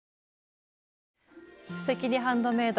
「すてきにハンドメイド」